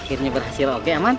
akhirnya berhasil oke aman